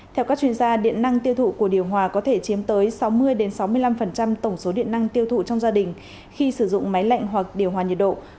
theo các chuyên gia điện năng tiêu thụ của điều hòa có thể chiếm tới sáu mươi sáu mươi năm tổng số điện năng tiêu thụ trong gia đình khi sử dụng máy lạnh hoặc điều hòa nhiệt độ